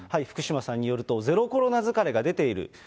福島さんによると、ゼロコロナ疲れが出ている。